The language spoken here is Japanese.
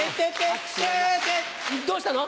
どうしたの？